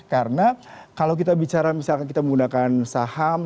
karena kalau kita bicara misalkan kita menggunakan saham